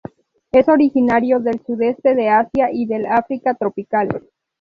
Es originario del sudeste de Asia y del África tropical.